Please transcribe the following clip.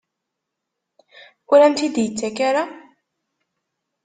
Ur am-t-id-yettak ara?